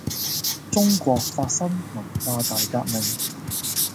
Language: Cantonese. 中國發生文化大革命